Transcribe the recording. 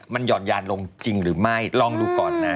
มันห่อนยานลงจริงหรือไม่ลองดูก่อนนะ